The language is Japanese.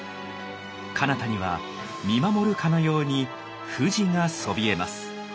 かなたには見守るかのように富士がそびえます。